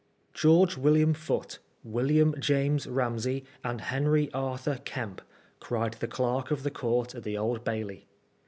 " Gborgb William Foote, William James Ramsey, and Henry Arthur Kemp," cried the Clerk of the Court at the Old Bailey.